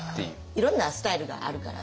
いろんなスタイルがあるから。